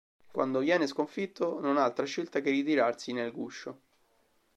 Quando viene sconfitto, non ha altra scelta che ritirarsi nel guscio.